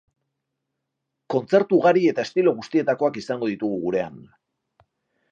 Kontzertu ugari eta estilo guztietakoak izango ditugu gurean.